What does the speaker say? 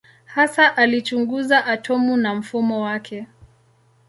Hasa alichunguza atomu na mfumo wake.